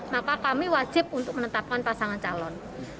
maka kami wajib untuk menetapkan pasangan calon